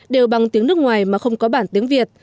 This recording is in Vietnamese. đều bằng tiếng nước ngoài mà không có bản tiếng việt